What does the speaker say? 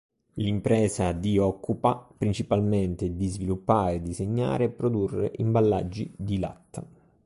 L'impresa di occupa principalmente di sviluppare, disegnare e produrre imballaggi di latta.